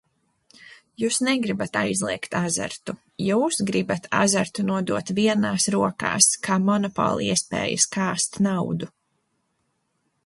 Jūs negribat aizliegt azartu, jūs gribat azartu nodot vienās rokās kā monopoliespējas kāst naudu.